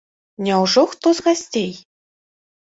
Няўжо хто з гасцей?